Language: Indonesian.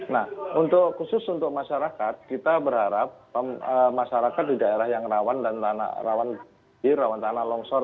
nah khusus untuk masyarakat kita berharap masyarakat di daerah yang rawan tanah longsor